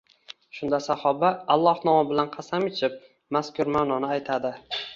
Shunda sahoba Alloh nomi bilan qasam ichib, mazkur ma’noni aytadi: